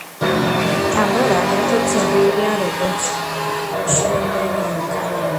ტამბორა აგრეთვე ცნობილია როგორც შრეებრივი ვულკანი.